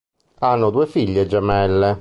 Hanno due figlie gemelle.